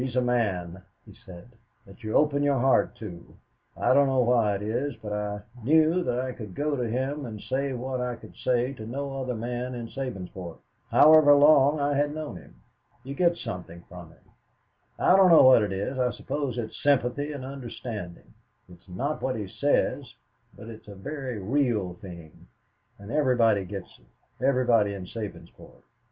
"He is a man," he said, "that you open your heart to. I don't know why it is, but I knew that I could go to him and say what I could say to no other man in Sabinsport, however long I had known him. You get something from him I don't know what it is. I suppose it's sympathy and understanding. It is not what he says, but it's a very real thing, and everybody gets it, everybody in Sabinsport.